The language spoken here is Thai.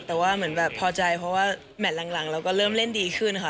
แต่ว่าเหมือนแบบพอใจเพราะว่าแมทหลังเราก็เริ่มเล่นดีขึ้นค่ะ